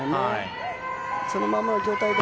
そのままの状態で。